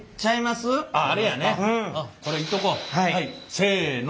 せの。